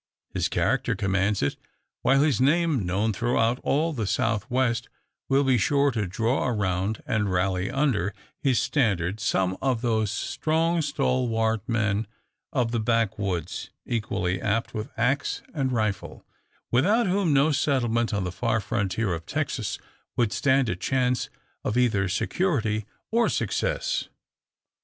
His character commands it; while his name, known throughout all the South west, will be sure to draw around, and rally under his standard, some of those strong stalwart men of the backwoods, equally apt with axe and rifle, without whom no settlement on the far frontier of Texas would stand a chance of either security, or success.